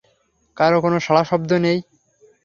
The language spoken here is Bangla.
কারো কোনো সাড়া শব্দ নেই।